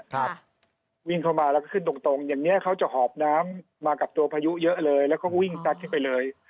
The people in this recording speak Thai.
ครับวิ่งเข้ามาแล้วก็ขึ้นตรงตรงอย่างเงี้เขาจะหอบน้ำมากับตัวพายุเยอะเลยแล้วก็วิ่งซัดขึ้นไปเลย